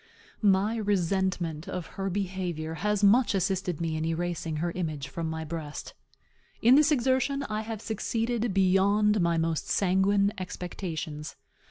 My resentment of her behavior has much assisted me in erasing her image from my breast. In this exertion I have succeeded beyond my most sanguine expectations.